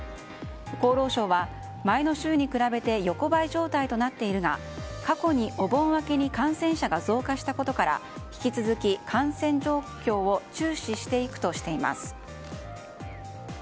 厚労省は前の週に比べて横ばい状態となっているが過去にお盆明けに感染者が増加したことから引き続き感染状況を注視していくとしています。